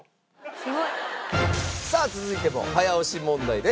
すごい。さあ続いても早押し問題です。